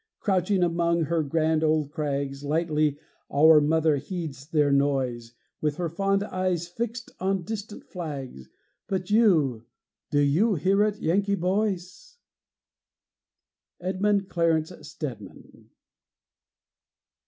Crouching among her grand old crags, Lightly our mother heeds their noise, With her fond eyes fixed on distant flags; But you do you hear it, Yankee boys? EDMUND CLARENCE STEDMAN.